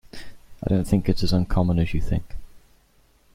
I don't think it's as uncommon as you think.